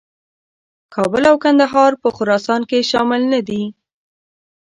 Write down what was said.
کابل او کندهار په خراسان کې شامل نه دي.